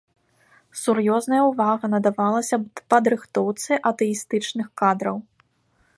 Сур'ёзная ўвага надавалася падрыхтоўцы атэістычных кадраў.